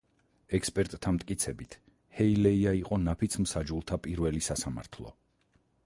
ექსპერტთა მტკიცებით, ჰეილეია იყო ნაფიც მსაჯულთა პირველი სასამართლო.